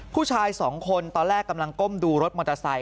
ผู้ชายสองคนตอนแรกกำลังก้มดูรถมอเตอร์ไซค